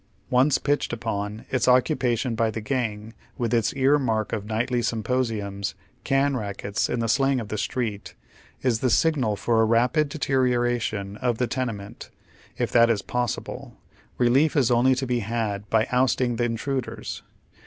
Once pitciied upon, its occupa tion by the gang, with its ear mark of nightly symposiums, " can rackets" in the slang of the street, is the signal for a rapid deterioration of the tenement, if that is possible. oy Google THE HARVEST OE TARES. 997 Belief is only to be Iiad by ousting the intruders.